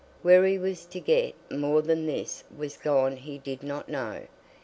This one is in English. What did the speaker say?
Where he was to get more when this was gone he did not know.